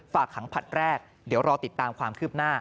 ฝากขังผลัดแรกเดี๋ยวรอติดตามความคืบหน้า